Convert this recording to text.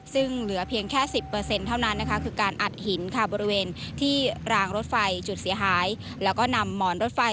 ซึ่งเหลือเพียงแค่๑๐เท่านั้น